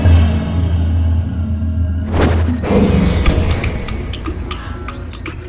ya udah deh